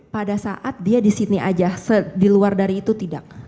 pada saat dia di sydney aja di luar dari itu tidak